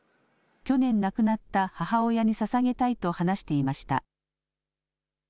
去年、亡くなった母親にささげたいと話していました。